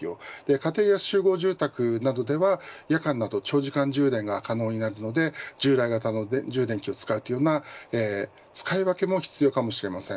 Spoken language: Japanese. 家庭や集合住宅などでは夜間など長時間充電が可能になるので従来型の充電器を使うという使い分けも必要かもしれません。